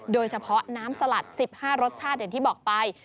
โดยเฉพาะน้ำสลัด๑๕รสชาติอย่างที่บอกไป